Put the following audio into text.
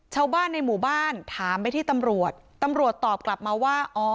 ชาวบ้านในหมู่บ้านถามไปที่ตำรวจตำรวจตอบกลับมาว่าอ๋อ